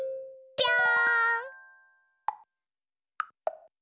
ぴょん！